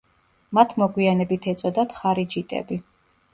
მათ მოგვიანებით ეწოდათ ხარიჯიტები.